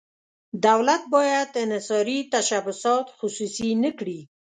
دولت باید انحصاري تشبثات خصوصي نه کړي.